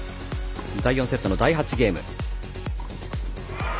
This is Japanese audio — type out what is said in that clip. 第４セットの第８ゲーム。